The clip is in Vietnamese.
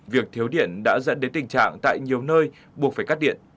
việc thiếu điện đã dẫn đến tình trạng tại nhiều nơi buộc phải cắt điện